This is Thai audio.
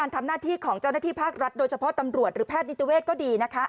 ทำหน้าที่ของเจ้าหน้าที่ภาครัฐโดยเฉพาะตำรวจหรือแพทย์นิติเวศก็ดีนะคะ